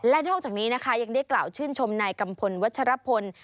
และนอกจากนี้นะคะยังได้กล่าวชื่นชมนายกัมพลวัชรพล